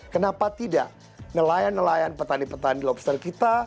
kenapa tidak nelayan nelayan petani petani lobster kita